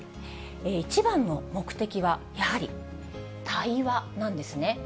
一番の目的は、やはり対話なんですね。